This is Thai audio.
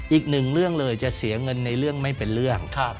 อีกหนึ่งเรื่องเลยจะเสียเงินในเรื่องไม่เป็นเรื่อง